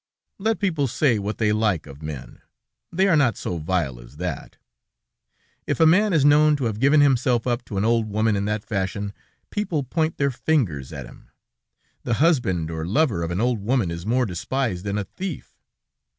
"Let people say what they like of men, they are not so vile as that! If a man is known to have given himself up to an old woman in that fashion, people point their fingers at him. The husband or lover of an old woman is more despised than a thief.